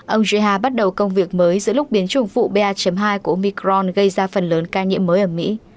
ông jha bắt đầu công việc mới giữa lúc biến chủng phụ ba hai của micron gây ra phần lớn ca nhiễm mới ở mỹ